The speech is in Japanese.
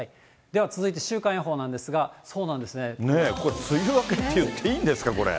では続いて週間予報なんですが、これ、梅雨明けって言っていいんですか、これ。